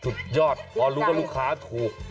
สุดยอดพอรู้ว่าลูกค้าถูก